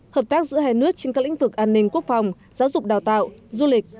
hợp tác giữa hai nước trên các lĩnh vực an ninh quốc phòng giáo dục đào tạo du lịch